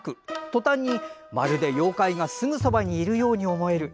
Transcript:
とたんに、まるで妖怪がすぐそばにいるように思える。